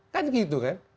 kan gitu kan